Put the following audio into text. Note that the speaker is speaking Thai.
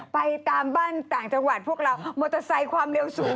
ไปตามบ้านต่างจังหวัดพวกเรามอเตอร์ไซค์ความเร็วสูง